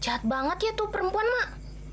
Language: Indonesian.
jahat banget ya tuh perempuan mak